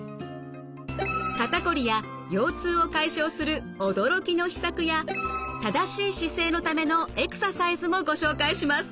肩こりや腰痛を解消する驚きの秘策や正しい姿勢のためのエクササイズもご紹介します。